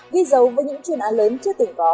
ghi dấu với những chuyên án lớn chưa từng có